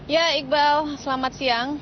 ya iqbal selamat siang